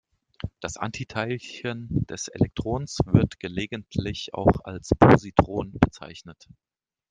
Das Antiteilchen des Elektrons wird gelegentlich auch als Positron bezeichnet.